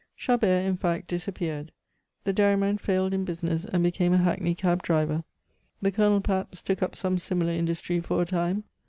Chabert, in fact, disappeared. The dairyman failed in business, and became a hackney cab driver. The Colonel, perhaps, took up some similar industry for a time.